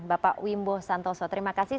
bapak wimbo santoso terima kasih